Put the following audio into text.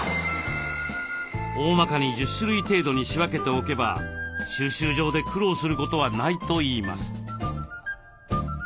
おおまかに１０種類程度に仕分けておけば収集場で苦労することはないといいます。